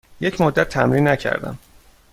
یک مدت تمرین نکردم.